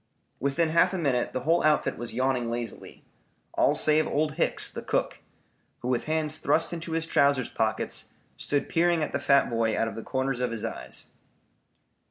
Within half a minute the whole outfit was yawning lazily, all save Old Hicks, the cook, who with hands thrust into his trousers pockets stood peering at the fat boy out of the corners of his eyes.